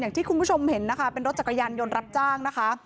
อย่างที่คุณผู้ชมเห็นนะคะเป็นรถจักรยานยนต์รับจ้างนะคะ